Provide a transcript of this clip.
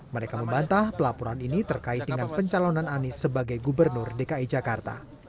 mereka membantah pelaporan ini terkait dengan pencalonan anies sebagai gubernur dki jakarta